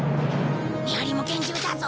見張りも厳重だぞ。